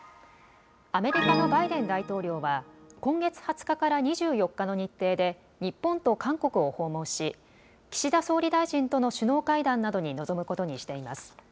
アメリカのバイデン大統領は、今月２０日から２４日の日程で、日本と韓国を訪問し、岸田総理大臣との首脳会談などに臨むことにしています。